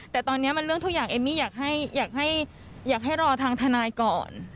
แต่ตอนนี้มันเรื่องทุกอย่างเอมมี่อยากให้รอทางทนายก่อน